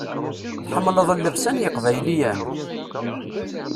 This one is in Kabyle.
Tḥemmleḍ llebsa n yeqbayliyen?